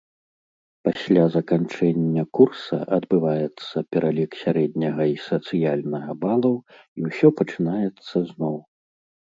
Пасля заканчэння курса адбываецца пералік сярэдняга і сацыяльнага балаў, і ўсё пачынаецца зноў.